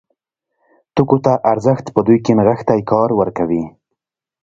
توکو ته ارزښت په دوی کې نغښتی کار ورکوي.